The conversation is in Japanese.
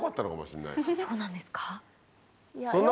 そうなんですか？